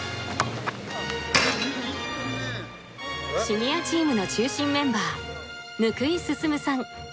シニアチームの中心メンバー貫井進さん